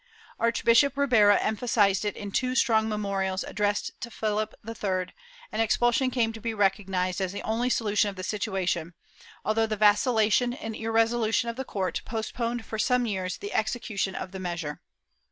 Archbishop Ribera emphasized it in two strong memorials addressed to Philip III, and expulsion came to be recognized as the only solution of the situation, although the vacillation and irresolution of the court postponed for some years the execution of the measure.